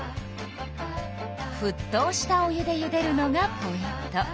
ふっとうしたお湯でゆでるのがポイント。